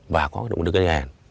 và có đồng đức gây hẹn